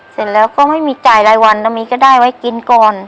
เสร็จแล้วก็ไม่มีจ่ายรายวันนะมีก็ได้ไว้กินก่อน